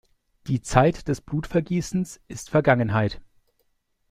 Die Zeit des Blutvergießens ist Vergangenheit!